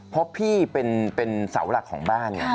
เพราะพี่เป็นเสาหลักของบ้านไง